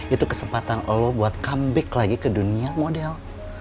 itu kesempatan allah buat comeback lagi ke dunia model